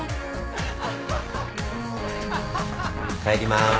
帰りまーす。